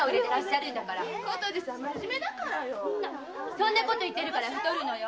そんなこと言ってるから太るのよ。